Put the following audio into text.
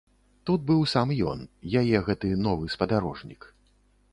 Тут быў сам ён, яе гэты новы спадарожнік.